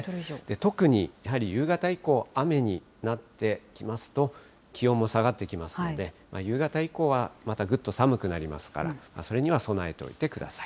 特にやはり夕方以降、雨になってきますと、気温も下がってきますので、夕方以降はまたぐっと寒くなりますから、それには備えておいてください。